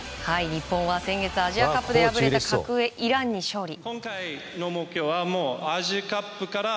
日本は先月アジアカップで敗れた格上イランに勝利。